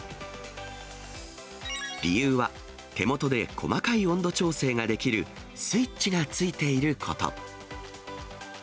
理由は、手元で細かい温度調整ができる、スイッチが付いていること。